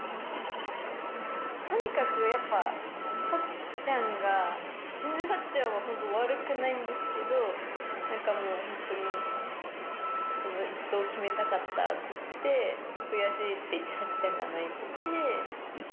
とにかくやっぱさっちゃんが全然さっちゃんは本当悪くないんですけど何かもう本当にその一投決めたかったって言って悔しいって言ってさっちゃんが泣いてて。